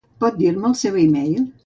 Pot dir-me el seu e-mail?